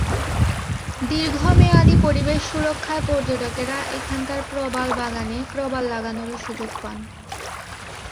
দীর্ঘমেয়াদি পরিবেশ সুরক্ষায় পর্যটকেরা এখানকার প্রবাল বাগানে প্রবাল লাগানোরও সুযোগ পান।